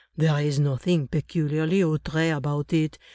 There is nothing peculiarly outre about it.